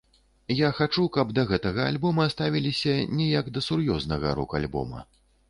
Я хачу, каб да гэтага альбома ставіліся не як да сур'ёзнага рок-альбома.